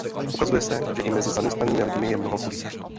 Ukazuje se, že i mezi zaměstnanými lidmi je mnoho chudých.